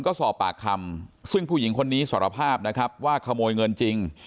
ก็สอบปากคำซึ่งผู้หญิงคนนี้สารภาพนะครับว่าขโมยเงินจริง